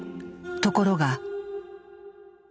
ところが。